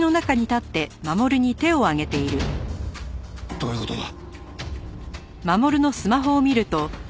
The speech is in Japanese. どういう事だ？